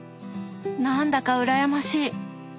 何だか羨ましい。